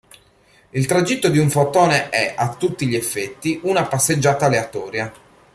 Il tragitto di un fotone è, a tutti gli effetti, una passeggiata aleatoria.